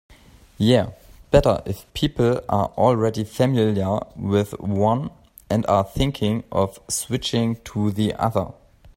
Yeah, better if people are already familiar with one and are thinking of switching to the other.